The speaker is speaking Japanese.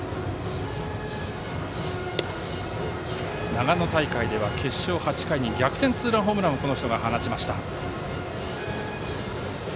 長野大会では決勝８回に逆転ツーランホームランを放ちました。